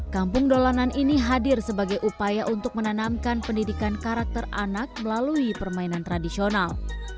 kampung dolanan ini hadir sebagai upaya untuk menanamkan pendidikan karakter anak melalui permainan tradisional